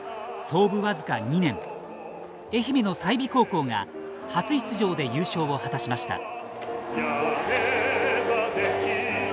創部わずか２年愛媛の済美高校が初出場で優勝を果たしました。